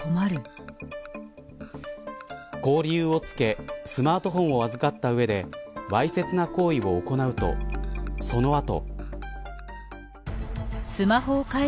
こう、理由をつけスマートフォンを預かった上でわいせつな行為を行うとその後。